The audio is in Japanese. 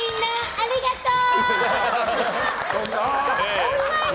ありがとう！